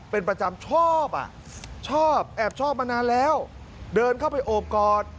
เป็นประจำชอบอ่ะชอบชอบแอบชอบมานานแล้วเดินเข้าไปโอบกอด